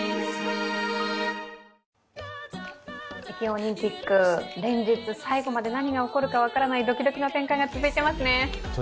北京オリンピック、連日最後まで何が起こるか分からないドキドキの展開が続いていますね。